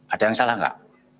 ada yang salah nggak